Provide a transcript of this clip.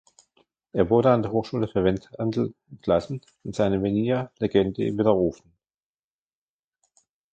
Er wurde an der Hochschule für Welthandel entlassen und seine Venia Legendi widerrufen.